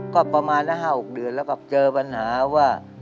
ก็ประมาณ๕๖เดือนแล้วก็เจอปัญหาว่า